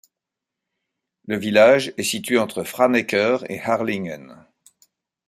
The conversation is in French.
Le village est situé entre Franeker et Harlingen.